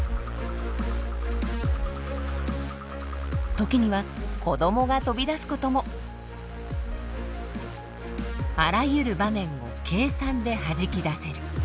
時には子供が飛び出すこともあらゆる場面を計算ではじき出せる。